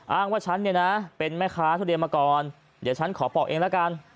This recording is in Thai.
อ้างว่าฉันเนี่ยนะเป็นแม่ค้าทุเรียนมาก่อนเดี๋ยวฉันขอปอกเองแล้วกัน